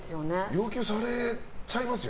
要求されちゃいますよ